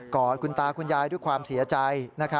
อดคุณตาคุณยายด้วยความเสียใจ